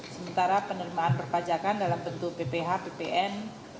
sementara penerimaan berpajakan dalam bentuk pph ppn